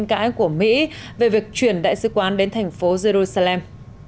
không nên làm theo quyết định gây tranh cãi của mỹ về việc chuyển đại sứ quán đến thành phố jerusalem